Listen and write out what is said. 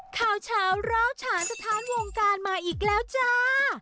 ข่าวเช้าร้าวฉานสถานวงการมาอีกแล้วจ้า